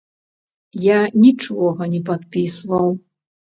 Я нічога не падпісваў.